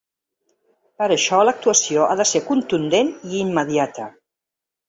Per això l’actuació ha de ser contundent i immediata.